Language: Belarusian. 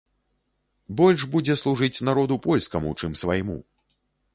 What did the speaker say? Больш будзе служыць народу польскаму, чым свайму!